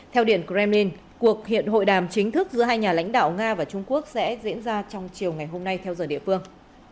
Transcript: theo điện kremlin cuộc hiện hội đàm chính thức giữa hai nhà lãnh đạo nga và trung quốc sẽ diễn ra trong chiều ngày hôm nay theo giờ địa phương